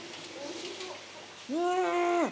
うん！